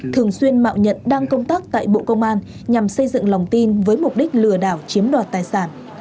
thường xuyên mạo nhận đang công tác tại bộ công an nhằm xây dựng lòng tin với mục đích lừa đảo chiếm đoạt tài sản